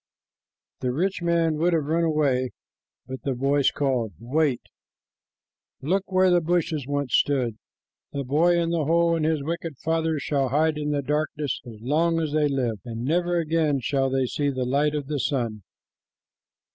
The rich man would have run away, but the voice called, "Wait. Look where the bushes once stood. The boy in the hole and his wicked father shall hide in the darkness as long as they live, and never again shall they see the light of the sun."